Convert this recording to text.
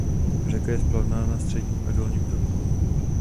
Řeka je splavná na středním a dolním toku.